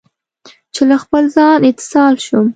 چې له خپل ځان، اتصال شوم